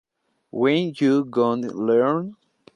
When You Gonna Learn?